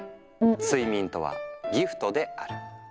「睡眠とはギフトである」。